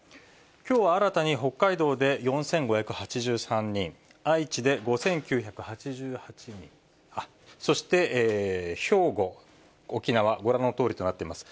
きょう新たに北海道で４５８３人、愛知で５９８８人、そして兵庫、沖縄、ご覧のとおりとなっています。